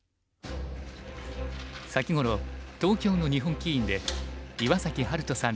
先頃東京の日本棋院で岩崎晴都さん